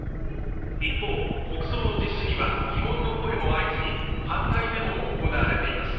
一方、国葬の実施には疑問の声も相次ぎ、反対デモも行われています。